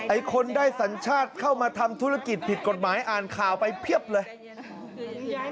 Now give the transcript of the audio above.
ไอ้คนได้สัญชาติเข้ามาทำธุรกิจผิดกฎหมายอ่านข่าวไปเพียบเลย